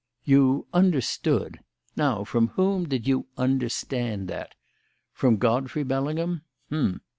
"You understood! Now, from whom did you 'understand' that? From Godfrey Bellingham? H'm!